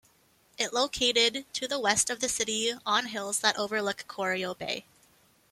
It located to the west of the city on hills that overlook Corio Bay.